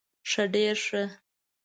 ښه ډير ښه